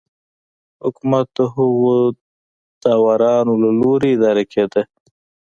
حکومت د هغو داورانو له لوري اداره کېده